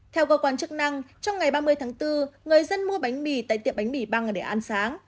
theo cơ quan chức năng trong ngày ba mươi tháng bốn người dân mua bánh mì tại tiệm bánh mì băng để ăn sáng